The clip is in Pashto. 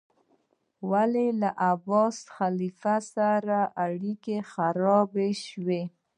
ولې له عباسي خلیفه سره اړیکې خرابې شوې؟